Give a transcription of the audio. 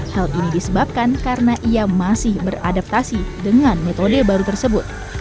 hal ini disebabkan karena ia masih beradaptasi dengan metode baru tersebut